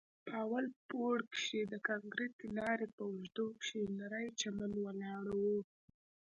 په اول پوړ کښې د کانکريټي لارې په اوږدو کښې نرى چمن ولاړ و.